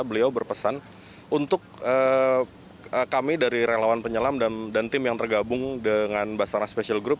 beliau berpesan untuk kami dari relawan penyelam dan tim yang tergabung dengan basarnas special group